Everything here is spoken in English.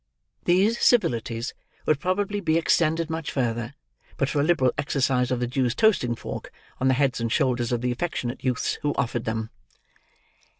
These civilities would probably be extended much farther, but for a liberal exercise of the Jew's toasting fork on the heads and shoulders of the affectionate youths who offered them.